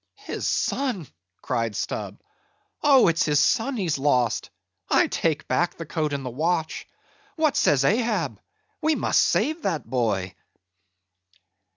"His son!" cried Stubb, "oh, it's his son he's lost! I take back the coat and watch—what says Ahab? We must save that boy."